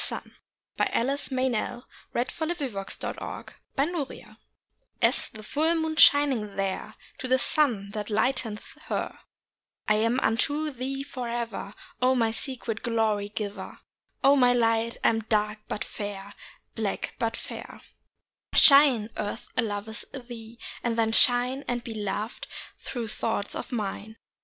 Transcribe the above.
THE POET SINGS TO HER POET THE MOON TO THE SUN As the full moon shining there To the sun that lighteth her Am I unto thee for ever, O my secret glory giver! O my light, I am dark but fair, Black but fair. Shine, Earth loves thee! And then shine And be loved through thoughts of mine.